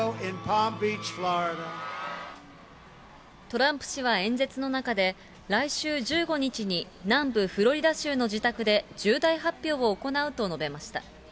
トランプ氏は演説の中で、来週１５日に、南部フロリダ州の自宅で重大発表を行うと述べました。